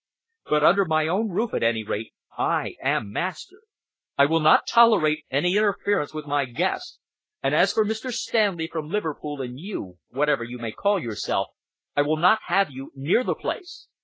But under my own roof, at any rate, I am master. I will not tolerate any interference with my guests; and as for Mr. Stanley from Liverpool and you, whatever you may call yourself, I will not have you near the place!